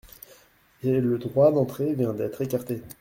Et le droit d’entrée vient d’être écarté.